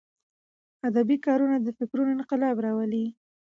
ادبي کارونه د فکرونو انقلاب راولي.